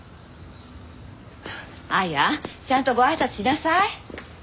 亜矢ちゃんとごあいさつしなさい。